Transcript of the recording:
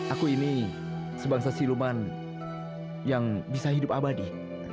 aku ini sebangsa siluman yang bisa hidup abadi